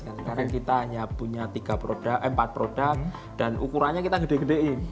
sekarang kita hanya punya empat produk dan ukurannya kita gede gedein